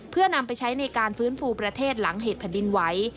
เพื่อนำไปใช้ในการฟื้นฟูประเทศหลังเหตุแผ่นดินไหว